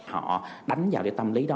họ đánh vào điều tâm lý đó